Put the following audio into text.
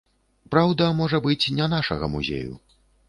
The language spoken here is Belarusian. Праўда, можа быць, не нашага музею.